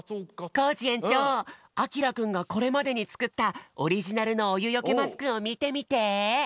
コージえんちょうあきらくんがこれまでにつくったオリジナルのおゆよけマスクをみてみて！